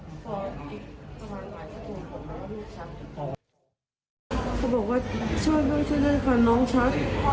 เขาบอกว่าช่วยด้วยช่วยด้วยค่ะน้องชัก